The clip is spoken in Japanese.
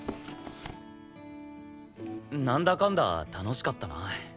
なんだかんだ楽しかったな。